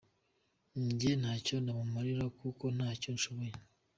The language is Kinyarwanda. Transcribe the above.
Njye ntacyo namumarira kuko ntacyo nshoboye.